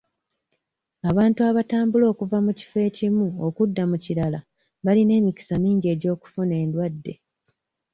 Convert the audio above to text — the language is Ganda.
Abantu abatambula okuva mu kifo ekimu okudda mu kirala balina emikisa mingi egy'okufuna endwadde.